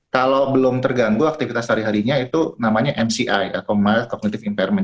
kalau belum terganggu aktivitas sehari harinya itu namanya mci atau miles communitive impairment